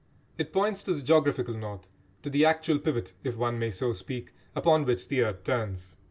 It points to the geographical north, to the actual pivot, if one may so speak, upon which the earth turns.